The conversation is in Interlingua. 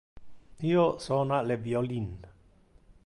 Io sona le violin.